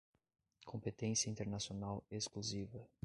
competência internacional exclusiva